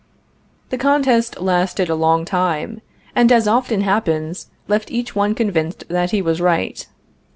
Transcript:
The contest lasted a long time, and, as often happens, left each one convinced that he was right.